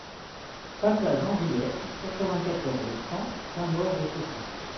Passage Henriette, quatre-vingt-quatorze, cent Saint-Maur-des-Fossés